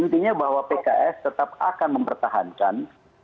intinya bahwa pks tetap akan mempertahankan